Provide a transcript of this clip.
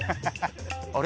あれ？